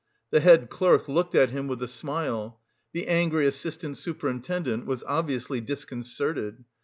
The head clerk looked at him with a smile. The angry assistant superintendent was obviously disconcerted.